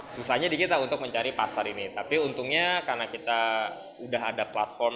susahnya di kita untuk mencari pasar ini tapi untungnya karena kita udah ada platform